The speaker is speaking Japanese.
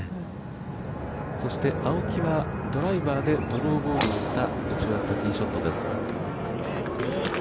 そして青木はドライバーでドローボールで打ち終わったティーショットです。